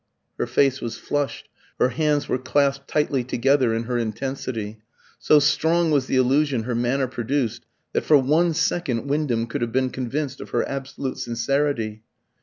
Her face was flushed, her hands were clasped tightly together in her intensity. So strong was the illusion her manner produced, that for one second Wyndham could have been convinced of her absolute sincerity.